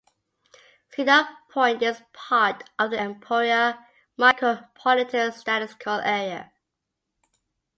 Cedar Point is part of the Emporia Micropolitan Statistical Area.